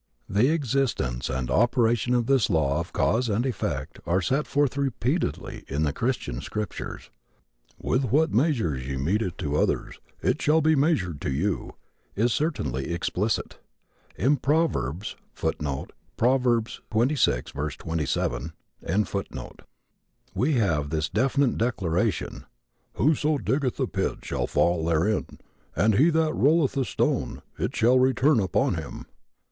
The existence and operation of this law of cause and effect are set forth repeatedly in the Christian scriptures. "With what measures ye mete it to others it shall be measured to you," is certainly explicit. In Proverbs[M] we have this definite declaration: "Whoso diggeth a pit shall fall therein, and he that rolleth a stone, it shall return upon him."